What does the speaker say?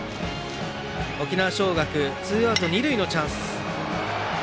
沖縄尚学ツーアウト二塁のチャンス。